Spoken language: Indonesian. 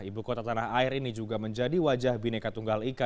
ibu kota tanah air ini juga menjadi wajah bineka tunggal ika